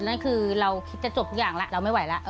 นั่นคือเราคิดจะจบทุกอย่างแล้วเราไม่ไหวแล้ว